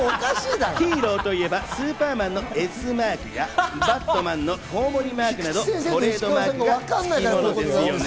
ヒーローといえば『スーパーマン』のＳマークや、『バットマン』のコウモリマークなどトレードマークがつき物ですよね。